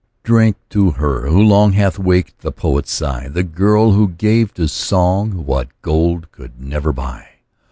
Drink to her, who long, Hath waked the poet's sigh. The girl, who gave to song What gold could never buy.